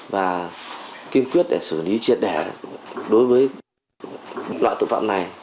và kiên quyết để xử lý triệt đẻ đối với loại tội phạm này